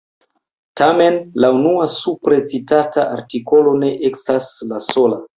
Tamen la unua supre citata artikolo ne estas la sola.